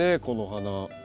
この花。